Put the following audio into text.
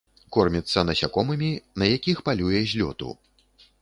Корміцца насякомымі, на якіх палюе з лёту.